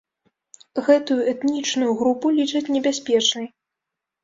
Гэтую этнічную групу лічаць небяспечнай.